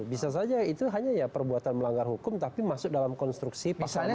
bisa saja itu hanya ya perbuatan melanggar hukum tapi masuk dalam konstruksi pasalnya